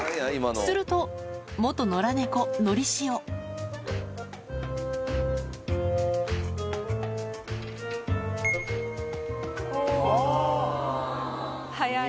すると野良猫のりしおあぁ。